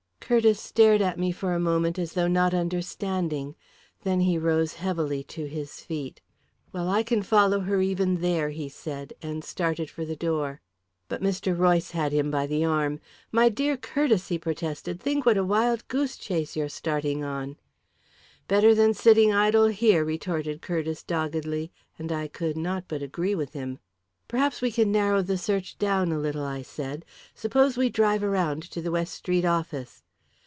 Curtiss stared at me for a moment as though not understanding; then he rose heavily to his feet. "Well, I can follow her even there," he said, and started for the door. But Mr. Royce had him by the arm. "My dear Curtiss!" he protested. "Think what a wild goose chase you're starting on!" "Better than sitting idle here," retorted Curtiss doggedly; and I could not but agree with him. "Perhaps we can narrow the search down a little," I said. "Suppose we drive around to the West Street office."